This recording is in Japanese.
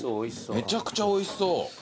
めちゃくちゃおいしそう。